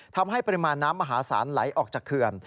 ทำให้ปริมาณน้ำมหาศาลไหลออกจากเขื่อน